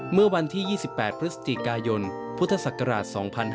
เมื่อวันที่๒๘พฤศจิกายนพุทธศักราช๒๕๕๙